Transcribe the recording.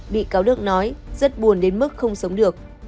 bị cáo đức nói rất buồn đến mức không sống được